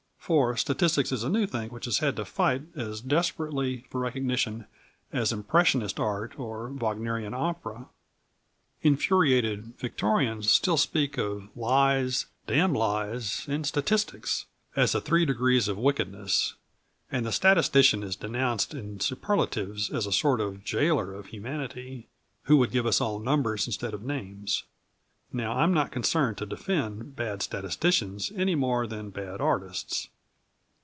For statistics is a new thing which has had to fight as desperately for recognition as Impressionist art or Wagnerian opera. Infuriated Victorians still speak of "lies, damned lies, and statistics," as the three degrees of wickedness; and the statistician is denounced in superlatives as a sort of gaoler of humanity, who would give us all numbers instead of names. Now, I am not concerned to defend bad statisticians any more than bad artists.